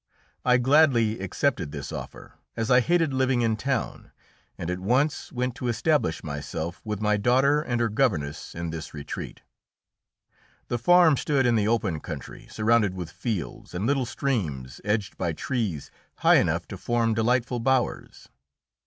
I gladly accepted this offer, as I hated living in town, and at once went to establish myself with my daughter and her governess in this retreat. The farm stood in the open country, surrounded with fields, and little streams edged by trees high enough to form delightful bowers.